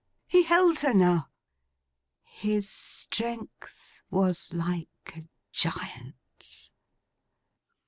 He held her now. His strength was like a giant's.